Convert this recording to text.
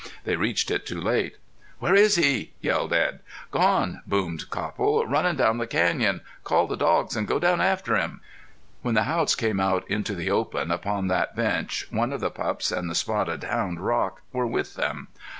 They reached it too late. "Where is he?" yelled Edd. "Gone!" boomed Copple. "Runnin' down the canyon. Call the dogs an' go down after him." When the Haughts came out into the open upon that bench one of the pups and the spotted hound, Rock, were with them.